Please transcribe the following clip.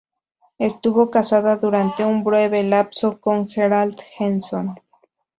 Estuvo casada durante un breve lapso con Gerald Henson.